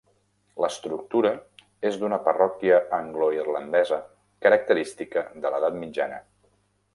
L'estructura és d'una parròquia angloirlandesa característica de l'edat mitjana.